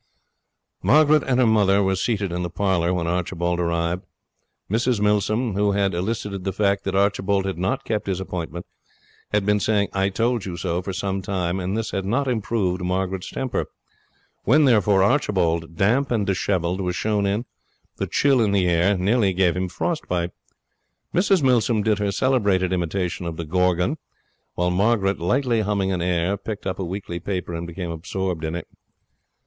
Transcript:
Margaret and her mother were seated in the parlour when Archibald arrived. Mrs Milsom, who had elicited the fact that Archibald had not kept his appointment, had been saying 'I told you so' for some time, and this had not improved Margaret's temper. When, therefore, Archibald, damp and dishevelled, was shown in, the chill in the air nearly gave him frost bite. Mrs Milsom did her celebrated imitation of the Gorgon, while Margaret, lightly humming an air, picked up a weekly paper and became absorbed in it.